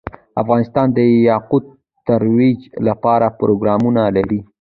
افغانستان د یاقوت د ترویج لپاره پروګرامونه لري.